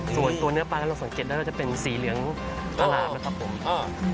ส่วนตัวเนื้อปลาเราสังเกตได้ว่าจะเป็นสีเหลืองพลาบนะครับ